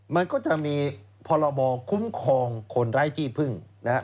มันก็จะมีพรบคุ้มครองคนไร้ที่พึ่งนะฮะ